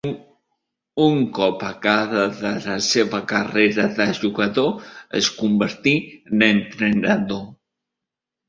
Un cop acabada la seva carrera de jugador es convertí en entrenador.